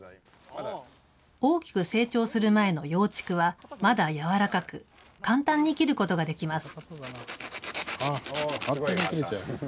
大きく成長する前の幼竹は、まだ軟らかく、簡単に切ることができます。